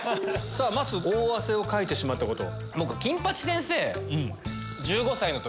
まっすー大汗をかいてしまったこと。